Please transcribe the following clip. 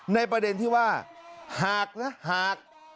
ในประเด็นที่ว่าหากนะหาก